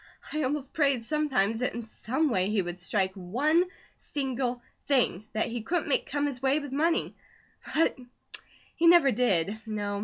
I almost prayed sometimes that in some way he would strike ONE SINGLE THING that he couldn't make come his way with money; but he never did. No.